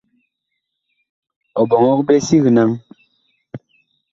Ɔ ɓɔŋɔg ɓe sig naŋ.